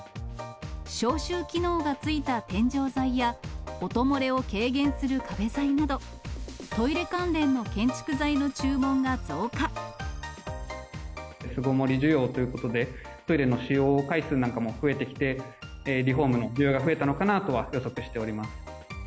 消臭機能がついた天井材や、音漏れを軽減する壁材など、巣ごもり需要ということで、トイレの使用回数なんかも増えてきて、リフォームの需要が増えたのかなとは予測しております。